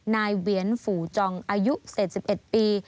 เวียนฝู่จองอายุ๗๑ปี